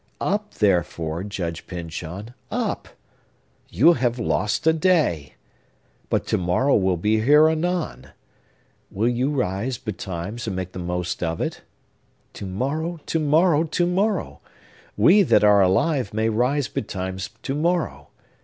Up, therefore, Judge Pyncheon, up! You have lost a day. But to morrow will be here anon. Will you rise, betimes, and make the most of it? To morrow. To morrow! To morrow. We, that are alive, may rise betimes to morrow.